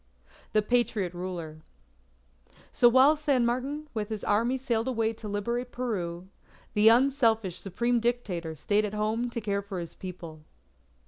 THE PATRIOT RULER So while San Martin with his army sailed away to liberate Peru, the unselfish Supreme Dictator stayed at home to care for his people.